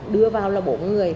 đưa vào là bốn người